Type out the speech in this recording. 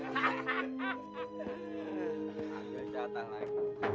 ambil jatah naik